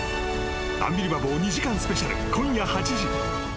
「アンビリバボー」２時間スペシャル、今夜８時。